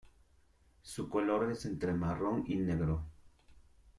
Su color es entre marrón y negro.